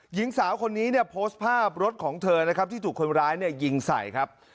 หญิงสาวคนนี้เนี่ยโพสต์ภาพรถของเธอนะครับที่ถูกคนร้ายเนี่ยยิงใส่ครับ